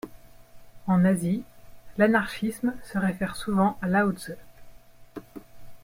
En Asie, l'anarchisme se réfère souvent à Laozi.